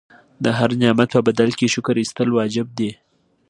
د هر نعمت په بدل کې شکر ایستل واجب دي.